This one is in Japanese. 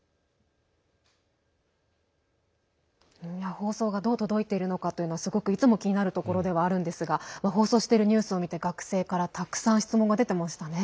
放送がどう届いているのかというのをいつも気になるところではあるんですが放送しているニュースを見て学生からたくさん質問が出ていましたね。